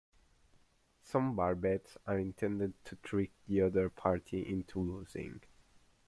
Some bar bets are intended to trick the other party into losing.